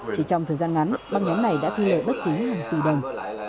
chỉ trong thời gian ngắn băng nhóm này đã thuê bất chí một tỷ đồng